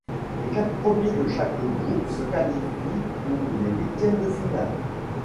Les quatre premiers de chaque groupe se qualifient pour les huitièmes de finale.